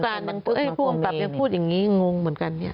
แล้วทำไมผู้กลับยังพูดอย่างนี้งงเหมือนกันเนี่ย